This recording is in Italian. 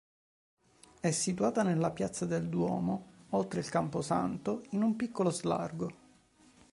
È situata nella piazza del Duomo, oltre il campo santo, in un piccolo slargo.